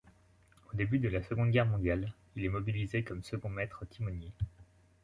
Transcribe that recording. Au début de la Seconde Guerre mondiale, il est mobilisé comme second-maître timonier.